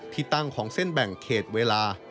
ที่ตั้งของเส้นแบ่งเขตเวลา